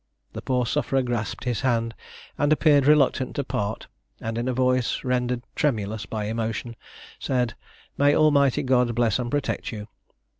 The poor sufferer grasped his hand, and appeared reluctant to part; and in a voice rendered tremulous by emotion, said, "May God Almighty bless and protect you."